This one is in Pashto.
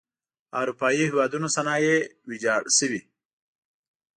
اروپايي هېوادونو صنایع ویجاړې شوئ.